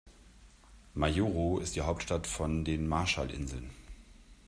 Majuro ist die Hauptstadt von den Marshallinseln.